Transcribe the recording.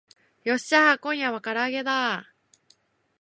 よっしゃー今夜は唐揚げだ